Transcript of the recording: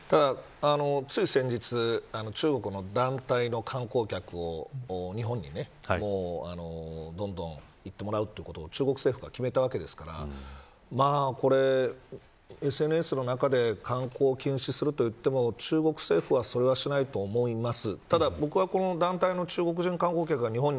つい先日中国の団体の観光客を日本にどんどん行ってもらうということを中国政府が決めましたからＳＮＳの中で観光を禁止するといっても中国政府はそれはしないと思います。